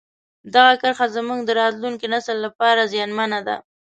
دغه کرښه زموږ د راتلونکي نسل لپاره زیانمنه ده.